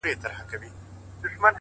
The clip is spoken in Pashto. دا ستا دسرو سترگو خمار وچاته څه وركوي ـ